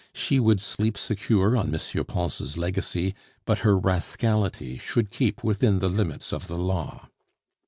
She would sleep secure on M. Pons' legacy, but her rascality should keep within the limits of the law.